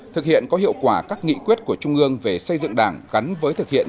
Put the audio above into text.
thực hiện có hiệu quả các nghị quyết của trung ương về xây dựng đảng gắn với thực hiện